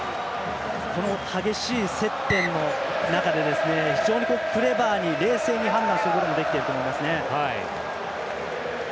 この激しい接点の中で非常に、クレバーに冷静に判断することができていると思います。